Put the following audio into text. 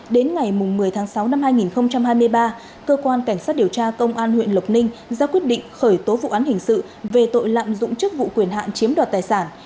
đến ngày một mươi tháng sáu năm hai nghìn hai mươi ba cơ quan cảnh sát điều tra công an huyện lộc ninh ra quyết định khởi tố vụ án hình sự về tội lạm dụng chức vụ quyền hạn chiếm đoạt tài sản